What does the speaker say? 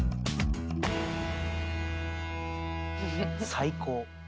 最高。